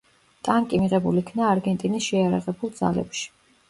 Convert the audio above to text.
ტანკი მიღებულ იქნა არგენტინის შეიარაღებულ ძალებში.